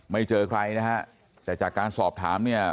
เจอใครนะฮะแต่จากการสอบถามเนี่ย